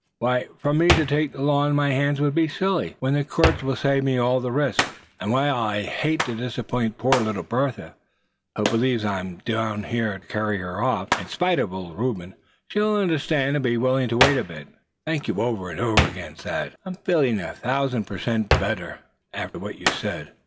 Why, for me to take the law in my hands would be silly, when the courts will save me all the risk. And while I hate to disappoint poor little Bertha, who believes I'm down here to carry her off, in spite of old Reuben, she'll understand, and be willing to wait a bit. Thank you over and over again, Thad. I'm feeling a thousand per cent better, suh, after what you said."